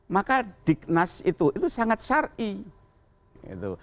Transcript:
maka diknaz itu itu sangat syarih